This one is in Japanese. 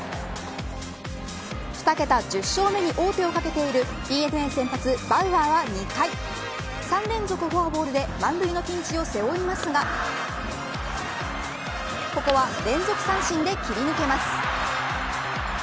２桁１０勝目に王手をかけているＤｅＮＡ先発、バウアーは２回３連続フォアボールで満塁のピンチを背負いますがここは連続三振で切り抜けます。